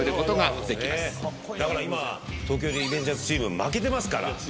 だから今東京リベンジャーズチーム負けてますから。